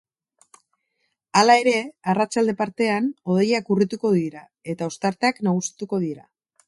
Hala ere, arratsalde partean hodeiak urrituko dira, eta ostarteak nagusituko dira.